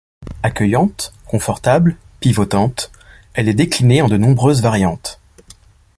Accueillante, confortable, pivotante, elle est déclinée en de nombreuses variantes.